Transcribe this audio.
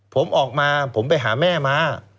ผมออกมาผมไปหาแม่มา